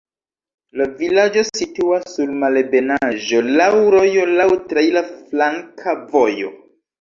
La vilaĝo situas sur malebenaĵo, laŭ rojo, laŭ traira flanka vojo.